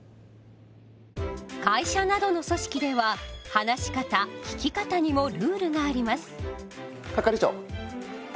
会社などの組織では話し方聞き方にもルールがあります。